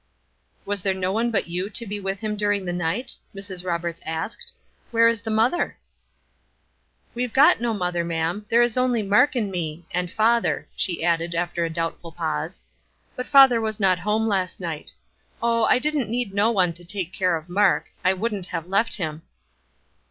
"Was there no one but you to be with him during the night?" Mrs. Roberts asked. "Where is the mother?" "We've got no mother, ma'am; there is only Mark and me and father," she added, after a doubtful pause. "But father was not at home last night. Oh, I didn't need no one to take care of Mark. I wouldn't have left him."